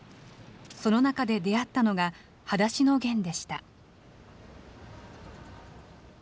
その中で出会ったのがはだしのゲンでした。